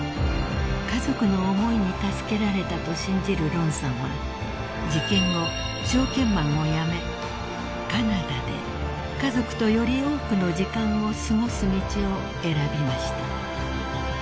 ［家族の思いに助けられたと信じるロンさんは事件後証券マンを辞めカナダで家族とより多くの時間を過ごす道を選びました］